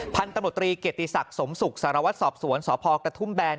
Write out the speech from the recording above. พันธุ์ตำรวจตรีเกียรติศักดิ์สมศุกร์สารวัตรสอบสวนสพกระทุ่มแบน